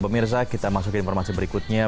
pemirsa kita masukin informasi berikutnya